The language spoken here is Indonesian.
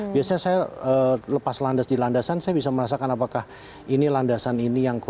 biasanya saya lepas landas di landasan saya bisa merasakan apakah ini landasan ini yang kurang